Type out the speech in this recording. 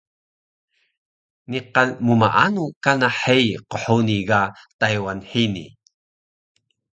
niqan mmaanu kana hei qhuni ga Taywan hini?